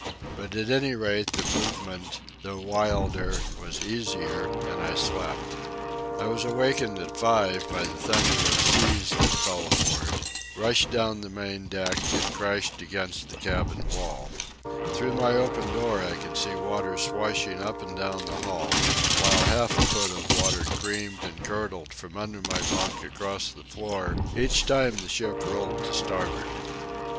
But at any rate the movement, though wilder, was easier, and I slept. I was awakened at five by the thunder of seas that fell aboard, rushed down the main deck, and crashed against the cabin wall. Through my open door I could see water swashing up and down the hall, while half a foot of water creamed and curdled from under my bunk across the floor each time the ship rolled to starboard.